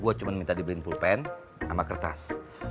gue cuma minta dibeliin pulpen sama kertas